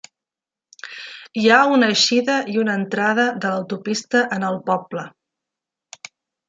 Hi ha una eixida i una entrada de l'autopista en el poble.